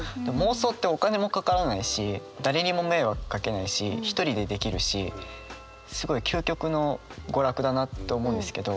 妄想ってお金もかからないし誰にも迷惑かけないし一人でできるしすごい究極の娯楽だなと思うんですけど。